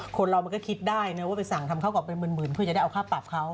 คนเรามันก็คิดได้นะว่าไปสั่งทำเขาก่อนเป็นหมื่นเพื่อจะได้เอาค่าปรับเขา